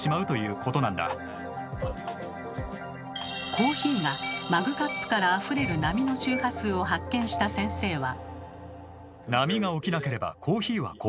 コーヒーがマグカップからあふれる波の周波数を発見した先生は。